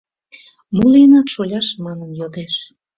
— Мо лийынат, шоляш? — манын йодеш.